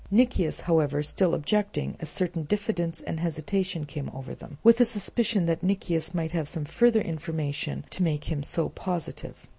Nicias however still objecting, a certain diffidence and hesitation came over them, with a suspicion that Nicias might have some further information to make him so positive.